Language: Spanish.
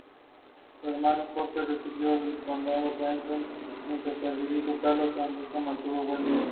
Adaptada al clima mediterráneo.